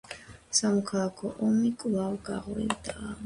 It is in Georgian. სამოქალაქო ომი კვლავ გაღვივდა.